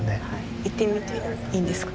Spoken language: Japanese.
行ってみていいんですか？